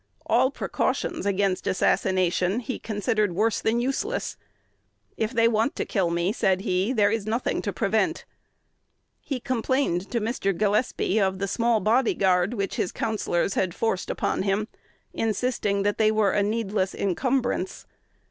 All precautions against assassination he considered worse than useless. "If they want to kill me," said he, "there is nothing to prevent." He complained to Mr. Gillespie of the small body guard which his counsellors had forced upon him, insisting that they were a needless encumbrance.